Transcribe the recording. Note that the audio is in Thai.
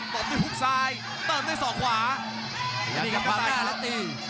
ต้มตีหุ้กซ้ายต้มตีสอบขวาอย่างนี้กับฝั่งหน้าแล้วตี